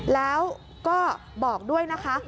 แล้วก็บอกด้วยนะคะ